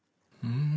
うん。